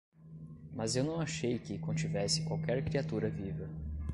Mas eu não achei que contivesse qualquer criatura viva.